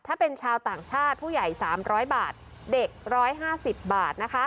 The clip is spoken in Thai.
ถ้าเป็นชาวต่างชาติผู้ใหญ่๓๐๐บาทเด็ก๑๕๐บาท